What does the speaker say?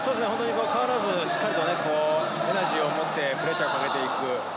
変わらずしっかりとエナジーを持ってプレッシャーをかけていく。